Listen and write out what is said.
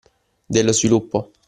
Dello sviluppo;